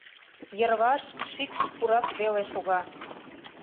Йырваш шикш-пурак веле шога.